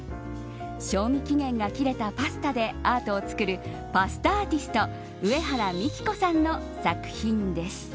賞味期限が切れたパスタでアートを作るパスタアーティスト上原美紀子さんの作品です。